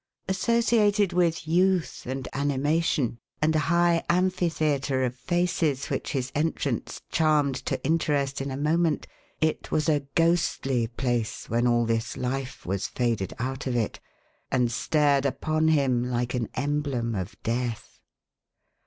Associated with youth and animation, and a high amphitheatre of faces which his entrance charmed to interest in a moment, it was a ghostly place when all this life was faded out of it, and stared upon him like an emblem of Death.